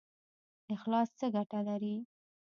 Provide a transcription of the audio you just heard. اخلاص څه ګټه لري؟